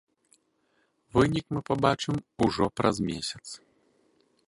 Вынік мы пабачым ужо праз месяц.